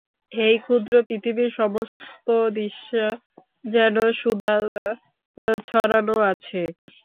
এই ক্ষুদ্র পৃথিবীর সমস্ত দৃশ্যে যেন সুধা ছড়ানো আছে।